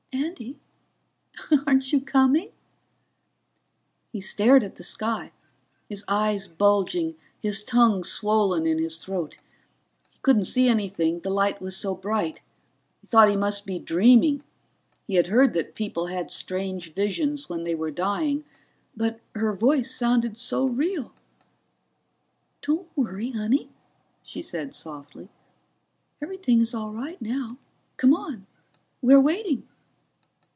"Andy? Aren't you coming?" He stared at the sky, his eyes bulging, his tongue swollen in his throat. He couldn't see anything, the light was so bright. He thought he must be dreaming he had heard that people had strange visions when they were dying. But her voice sounded so real. "Don't worry, honey," she said softly. "Everything is all right now. Come on, we're waiting."